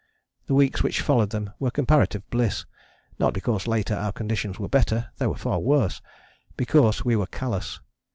The weeks which followed them were comparative bliss, not because later our conditions were better they were far worse because we were callous.